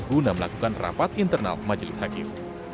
guna melakukan rapat internal majelis hakim